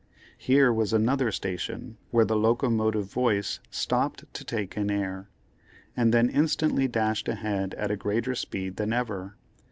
Here was another station where the locomotive voice stopped to take in air, and then instantly dashed ahead at a greater speed than ever.